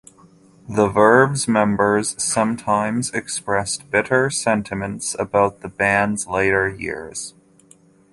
The Verve's members sometimes expressed bitter sentiments about the band's later years.